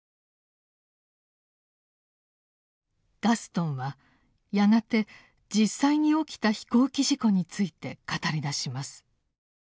ガストンはやがて実際に起きた飛行機事故について語りだします。